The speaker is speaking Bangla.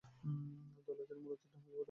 দলে তিনি মূলতঃ ডানহাতি বোলার হিসেবে খেলতেন।